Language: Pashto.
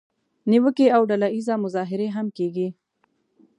نیوکې او ډله اییزه مظاهرې هم کیږي.